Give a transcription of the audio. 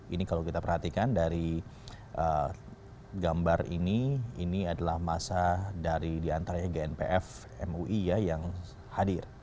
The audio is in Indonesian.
ini kalau kita perhatikan dari gambar ini ini adalah massa dari di antara gnpf mui yang hadir